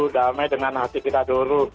damai dengan hati kita dulu